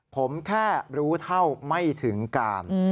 ผมแค่รู้เท่าไม่ถึงการ